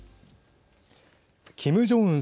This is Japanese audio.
キム・ジョンウン